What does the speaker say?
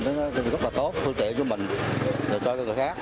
nó rất là tốt phương tiện cho mình cho người khác